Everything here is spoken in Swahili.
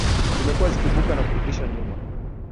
zimekuwa zikiibuka na kurudisha nyuma